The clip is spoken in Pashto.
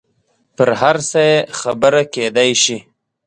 پر هر څه یې خبره کېدای شي.